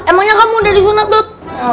emangnya kamu udah disunat dod